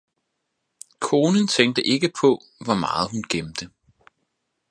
Konen tænkte ikke på hvor meget hun gemte